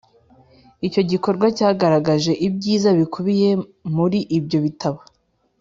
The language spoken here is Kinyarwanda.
icyo gikorwa cyagaragaje ibyiza bikubiye muri ibyo bitabo